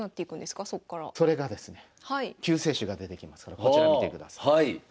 救世主が出てきますからこちら見てください。